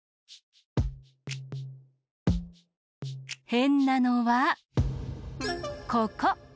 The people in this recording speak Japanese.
へんなのはここ！